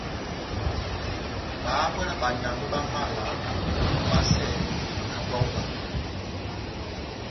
Bá hángwɛ́ na banyángwɛ bá mala vasɛ na búwa hú iba